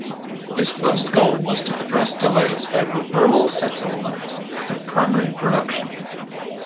His first goal was to address delays over rural settlement and primary production.